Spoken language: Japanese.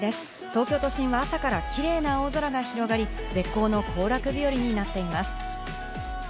東京都心は朝から綺麗な青空が広がり、絶好の行楽日和になっています。